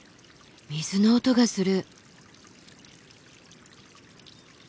水の音がする。